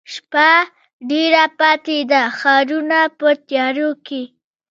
شپه ډېره پاته ده ښارونه په تیاروکې،